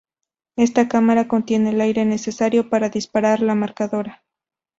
Esta cámara contiene el aire necesario para disparar la marcadora.